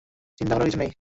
চিন্তা করার কিছু নেই।